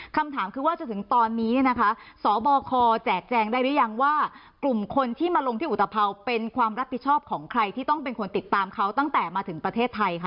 คำถามคือว่าจะถึงตอนนี้เนี่ยนะคะสบคแจกแจงได้หรือยังว่ากลุ่มคนที่มาลงที่อุตภัวร์เป็นความรับผิดชอบของใครที่ต้องเป็นคนติดตามเขาตั้งแต่มาถึงประเทศไทยค่ะ